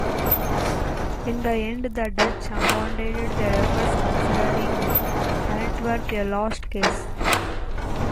In the end the Dutch abandoned their efforts, considering Antwerp a lost cause.